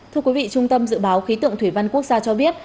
thưa quý vị trung tâm dự báo khí tượng thủy văn quốc gia cho biết